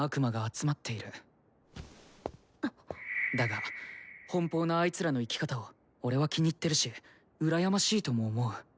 だが奔放なあいつらの生き方を俺は気に入ってるし羨ましいとも思う。